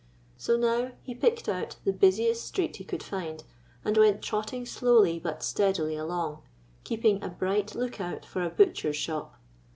So now he picked out the busiest street he could find, and went trotting slowly but steadily along, keeping a bright lookout for a butcher's shop.